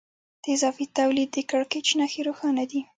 د اضافي تولید د کړکېچ نښې روښانه دي